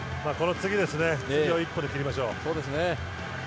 次を１本で切りましょう。